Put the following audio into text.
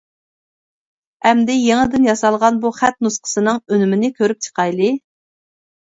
ئەمدى يېڭىدىن ياسالغان بۇ خەت نۇسخىسىنىڭ ئۈنۈمىنى كۆرۈپ چىقايلى.